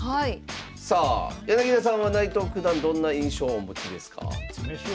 さあ柳田さんは内藤九段どんな印象をお持ちですか？